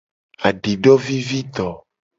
Adidovivido.